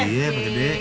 iya pak gede